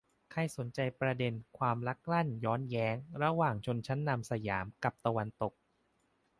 ใครสนใจประเด็นความลักลั่นย้อนแย้งระหว่างชนชั้นนำสยามกับตะวันตก